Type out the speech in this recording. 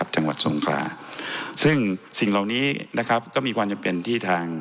จังหวัดสงขลาซึ่งสิ่งเหล่านี้นะครับก็มีความจำเป็นที่ทาง